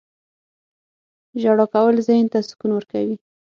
• ژړا کول ذهن ته سکون ورکوي.